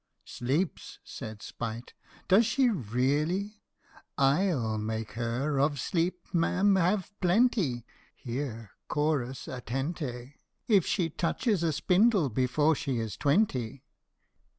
" Sleeps !" said Spite, " does she really ? I '11 make her THE SLEEPING BEAUTY. Of sleep, ma'am, have plenty" (Here CHORUS "Attente !")*" If she touches a spindle before she is twenty